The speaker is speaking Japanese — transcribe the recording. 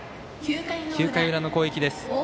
９回裏の攻撃です。